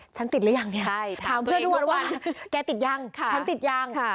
ฉันติดหรือยังเนี่ยถามเพื่อนด้วยว่าแกติดยังฉันติดยัง